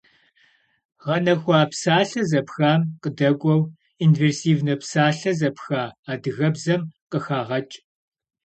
Гъэнэхуа псалъэ зэпхам къыдэкӏуэу инверсивнэ псалъэ зэпха адыгэбзэм къыхагъэкӏ.